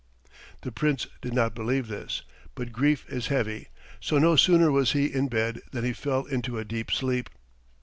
The Prince did not believe this, but grief is heavy, so no sooner was he in bed than he fell into a deep sleep.